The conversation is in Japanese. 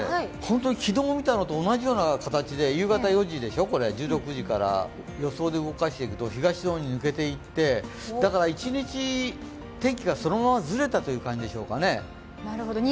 昨日みたのと同じような形で１６時から予想で動かしていくと、東の方に抜けていって、一日、天気がそのままずれたという感じでしょうかね。